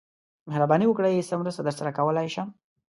مهرباني وکړئ څه مرسته درسره کولای شم